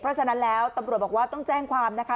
เพราะฉะนั้นแล้วตำรวจบอกว่าต้องแจ้งความนะคะ